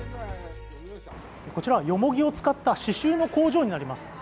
こちらは、よもぎを使った刺しゅうの工場になります。